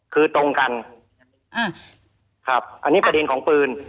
คือตรงกันครับอันนี้ประเด็นของปืน